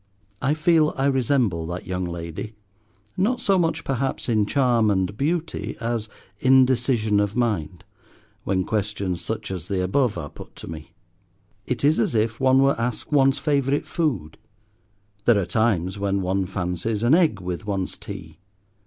I feel I resemble that young lady, not so much, perhaps, in charm and beauty as indecision of mind, when questions such as the above are put to me. It is as if one were asked one's favourite food. There are times when one fancies an egg with one's tea.